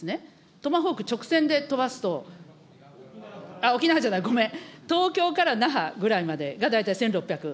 トマホーク、直線で飛ばすと、沖縄じゃない、ごめん、東京から那覇ぐらいまでが大体１６００。